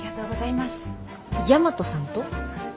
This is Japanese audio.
大和さんと？